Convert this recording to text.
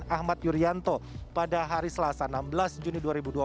ahmad yuryanto pada hari selasa enam belas juni dua ribu dua puluh